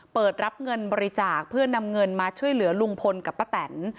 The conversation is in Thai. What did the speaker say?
เปิดรับเงินบริจาคเพื่อนำเงินมาช่วยเหลือลุงพลกับป้าแตน